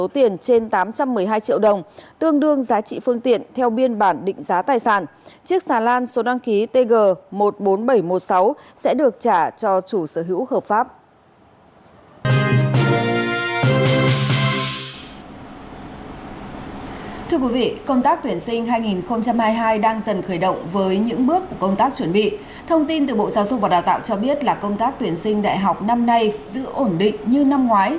thông tin từ bộ giáo dục và đào tạo cho biết là công tác tuyển sinh đại học năm nay giữ ổn định như năm ngoái